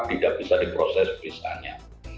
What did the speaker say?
tidak bisa diproses bisanya